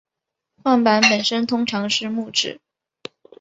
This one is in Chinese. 晃板本身通常是木制。